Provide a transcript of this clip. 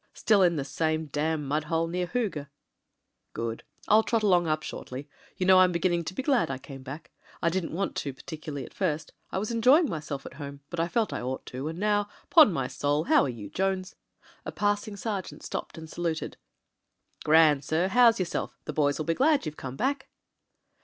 "Still in the same damn mud hole near Hooge." "Good ! rU trot along up shortly. You know, I'm beginning to be glad I came back. I didn't want to particularly, at first : I was enjoying myself at home — but I felt I ought to, and now — 'pon my soul How are you, Jones?" A passing sergeant stopped and saluted. "Grand, sir. How's yourself? The boys will be glad you've come back."